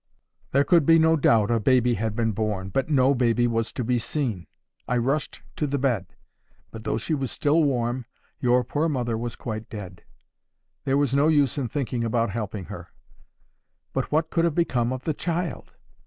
There could be no doubt a baby had been born, but no baby was to be seen. I rushed to the bed; but though she was still warm, your poor mother was quite dead. There was no use in thinking about helping her; but what could have become of the child?